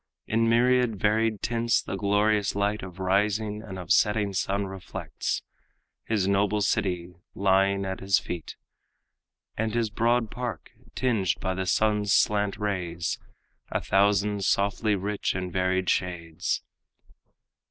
In myriad varied tints the glorious light Of rising and of setting sun reflects; His noble city lying at his feet, And his broad park, tinged by the sun's slant rays A thousand softly rich and varied shades.